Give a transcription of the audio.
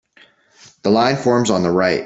The line forms on the right.